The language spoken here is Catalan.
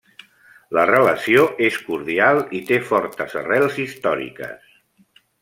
La relació és cordial i té fortes arrels històriques.